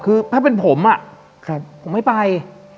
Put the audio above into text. คือถ้าเป็นผมผมไม่ไป